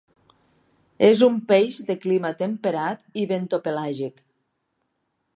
És un peix de clima temperat i bentopelàgic.